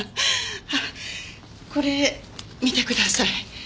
あっこれ見てください。